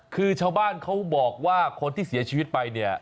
คือชาวบ้านเขาบอกว่าคนที่เสียชีวิตไปเนี่ย